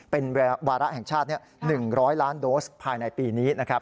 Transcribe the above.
เป็นวาระแห่งชาติ๑๐๐ล้านโดสภายในปีนี้นะครับ